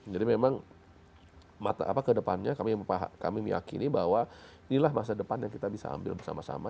jadi memang ke depannya kami meyakini bahwa inilah masa depan yang kita bisa ambil bersama sama